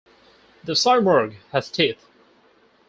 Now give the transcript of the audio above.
The simurgh has teeth.